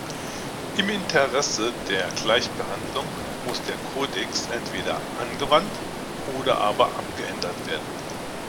Im Interesse der Gleichbehandlung muss der Kodex entweder angewandt oder aber abgeändert werden.